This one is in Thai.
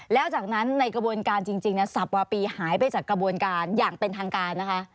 แล้วจากนั้นในกระบวนการจริงสับวาปีหายไปจากกระบวนการอย่างเป็นทางการนะคะ